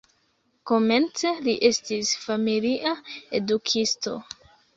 Komence li estis familia edukisto.